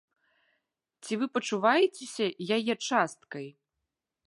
Ці вы пачуваецеся яе часткай?